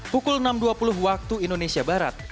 pukul enam dua puluh waktu indonesia barat